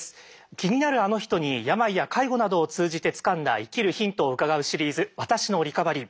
気になるあの人に病や介護などを通じてつかんだ生きるヒントを伺うシリーズ「私のリカバリー」。